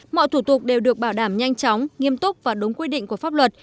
mọi thủ tục đều được bảo đảm nhanh chóng nghiêm túc và đúng quy định của pháp luật